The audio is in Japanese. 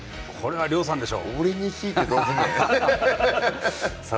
これは亮さんでしょ。